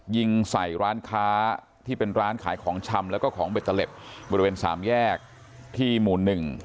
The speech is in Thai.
ยิงใส่ร้านค้าที่เป็นร้านขายของชำแล้วก็ของเบตเตอร์เล็บบริเวณสามแยกที่หมู่หนึ่ง